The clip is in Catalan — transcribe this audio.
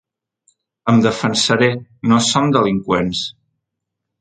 Em defensaré, no som delinqüents.